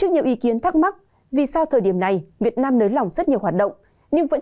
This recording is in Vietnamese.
ninh thuận sáu mươi